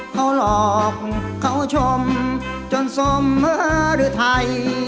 เขาหลอกเขาชมจนสมมือหรือไทย